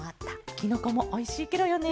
きのこもおいしいケロよね。